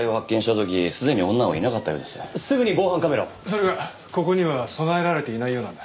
それがここには備えられていないようなんだ。